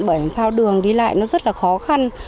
bởi sao đường đi lại rất khó khăn